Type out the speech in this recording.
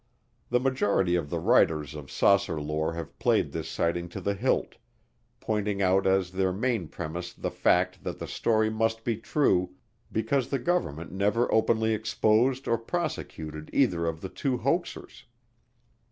The majority of the writers of saucer lore have played this sighting to the hilt, pointing out as their main premise the fact that the story must be true because the government never openly exposed or prosecuted either of the two hoaxers.